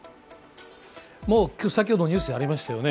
もう先ほどニュースありましたよね